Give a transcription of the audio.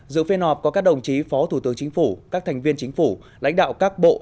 dự phiên họp có các đồng chí phó thủ tướng chính phủ các thành viên chính phủ lãnh đạo các bộ